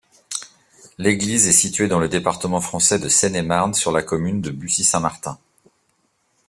L'église est située dans le département français de Seine-et-Marne, sur la commune de Bussy-Saint-Martin.